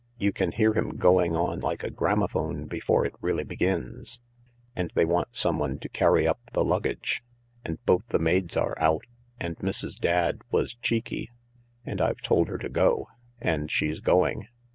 You can hear him going on like a gramophone before it really begins. And they want someone to carry up the luggage ; and both the maids are out ; and Mrs. Dadd was cheeky, and I've told her to go — and she's going.